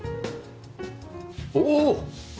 おお！